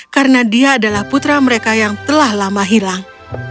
karena dia adalah putra mereka yang telah lama hilang